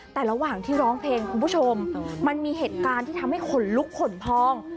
แต่ระหว่างที่ร้องเพลงคุณผู้ชมมันมีเหตุการณ์ที่ทำให้ขนลุกขนพอง